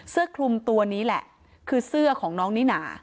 เสื้อคลุมตัวนี้แหละคือเสื้อของน้องนิน่า